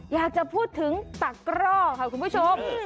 อยากจะพูดถึงตะกร่อค่ะคุณผู้ชม